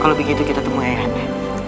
kalau begitu kita temui ayah anda